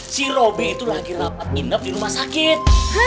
si robe itu lagi rapat nginep di rumah sakit